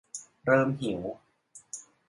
เริ่มหิว